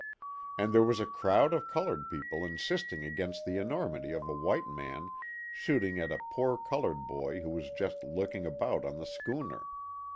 and there was a crowd of colored people insisting against the enormity of a white man shooting at " a poor colored boy who was just looking about on the schooner."